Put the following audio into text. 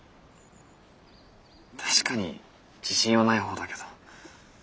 確かに自信はないほうだけど。